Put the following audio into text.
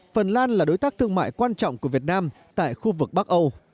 phần lan là đối tác thương mại quan trọng của việt nam tại khu vực bắc âu